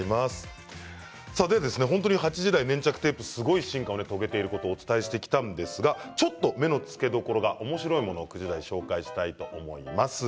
本当に８時台粘着テープ、すごい進化を遂げていることをお伝えしましたがちょっと目のつけどころがおもしろいものを９時台ではご紹介したいと思います。